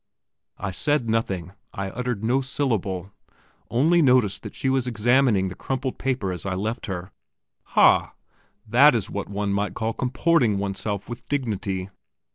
I said nothing; I uttered no syllable only noticed that she was examining the crumpled paper as I left her.... Ha! that is what one might call comporting oneself with dignity.